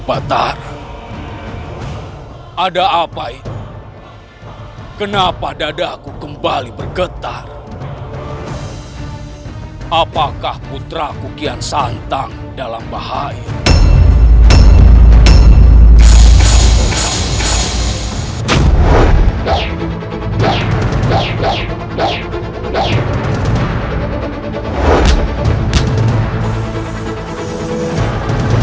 batar ada apa itu kenapa dadaku kembali bergetar apakah putraku kian santang dalam bahaya